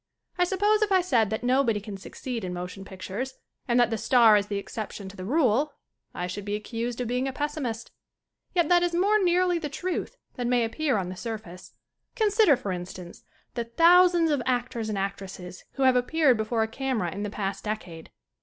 I suppose if I said that nobody can succeed in motion pictures and that the star is the ex ception to the rule I should be accused of being a pessimist. Yet that is more nearly the truth than may appear on the surface. Consider, for instance, the thousands of act ors and actresses who have appeared before a camera in the past decade.